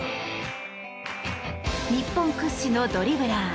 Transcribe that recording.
日本屈指のドリブラー。